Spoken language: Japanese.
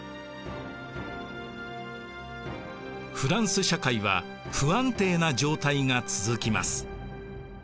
フランス社会は不安定な状態が続きます。